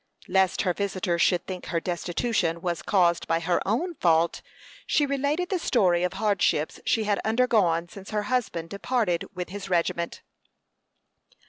Lest her visitor should think her destitution was caused by her own fault, she related the story of hardships she had undergone since her husband departed with his regiment.